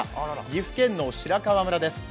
岐阜県の白川村です。